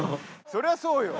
そりゃそうよ。